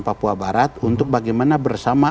papua barat untuk bagaimana bersama